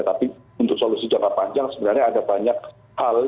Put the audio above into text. tapi untuk solusi jangka panjang sebenarnya ada banyak hal